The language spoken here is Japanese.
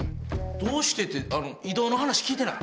どうして？って異動の話聞いてない？